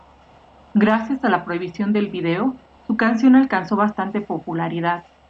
Gracias a la prohibición del vídeo, su canción alcanzó bastante popularidad.